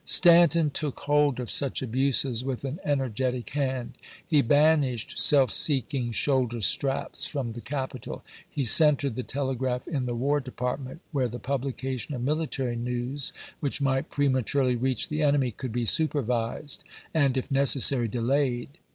Stanton took hold of such abuses with an ener getic hand. He banished self seeking "shoulder straps" from the capital. He centered the telegi'aph in the War Department, where the publication of military news, which might prematurely reach the enemy, could be supervised, and, if necessary, delayed.